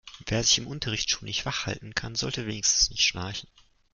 Wer sich im Unterricht schon nicht wach halten kann, sollte wenigstens nicht schnarchen.